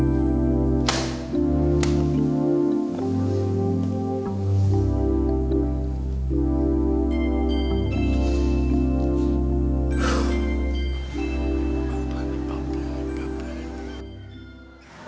bapak ini bapak